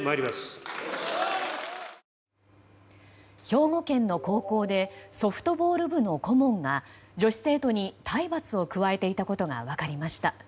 兵庫県の高校でソフトボール部の顧問が女子生徒に体罰を加えていたことが分かりました。